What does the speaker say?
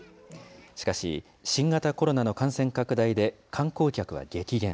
しかし、新型コロナの感染拡大で観光客が激減。